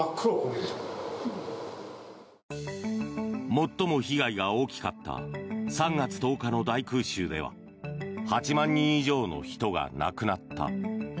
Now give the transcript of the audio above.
最も被害が大きかった３月１０日の大空襲では８万人以上の人が亡くなった。